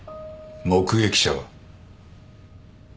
目撃者は？